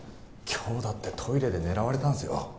今日だってトイレで狙われたんすよ？